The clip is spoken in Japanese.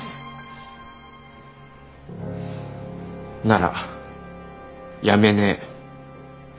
なら辞めねえ。